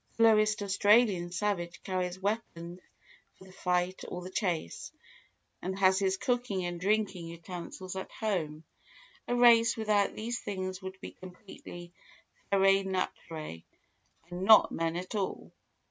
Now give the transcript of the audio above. The lowest Australian savage carries weapons for the fight or the chase, and has his cooking and drinking utensils at home; a race without these things would be completely ferae naturae and not men at all.